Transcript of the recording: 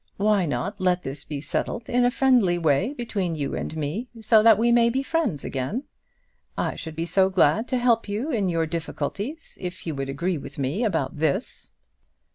Why not let this be settled in a friendly way between you and me, so that we might be friends again? I should be so glad to help you in your difficulties if you would agree with me about this."